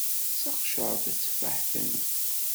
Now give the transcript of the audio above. Seqcer tateffaḥt-nni.